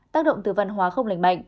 tác động từ văn hóa không lành mạnh